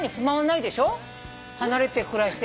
離れて暮らして。